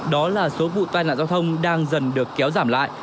đó là số vụ tai nạn giao thông đang dần được kéo giảm lại